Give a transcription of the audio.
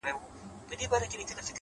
ای د نشې د سمرقند او بُخارا لوري ـ